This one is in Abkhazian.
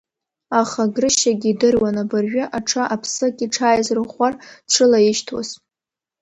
Аха Грышьагьы идыруан, абыржәы аҽа аԥсык иҽааизырӷәӷәар, дшылаишьҭуаз.